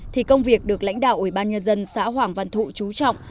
thì công việc được lãnh đạo ủy ban nhân dân xã hoàng văn thụ trú trọng